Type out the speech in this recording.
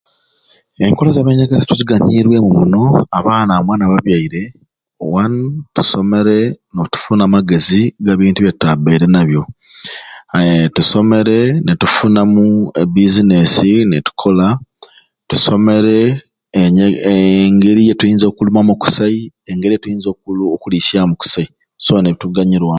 Enkola za byanyegesya tuziganywireemu muno abaana amwe nababyaire; Wanu, tusomere netufuna amagezi agabintu bitutabaire nabyo. Aaa tusomere netufunamu e bizinesi ne tukola, tusomere enyege eengeri gitulina okulimamu okusai n'engeri gyetulina okuliisya okusai so netuganyurwamu